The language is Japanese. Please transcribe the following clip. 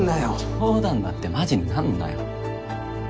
冗談だってマジになんなよ